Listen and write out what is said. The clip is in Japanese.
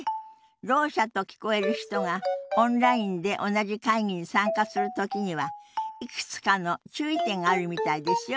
ろう者と聞こえる人がオンラインで同じ会議に参加する時にはいくつかの注意点があるみたいですよ。